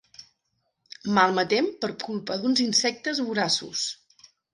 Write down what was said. Malmetem per culpa d'uns insectes voraços.